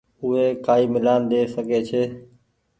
اوي ڪآئي ميلآن ۮي سڪي ڇي